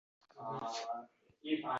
U desam bu dedi, bu desam u dedi